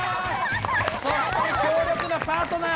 そして強力なパートナー！